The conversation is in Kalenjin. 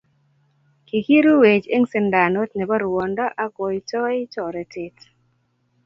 Kikirueech eng sindanot nebo ruondo ak koitoi toretet.